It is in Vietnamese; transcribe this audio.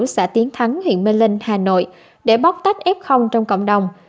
xã tiến thắng huyện mê linh hà nội để bóc tách f trong cộng đồng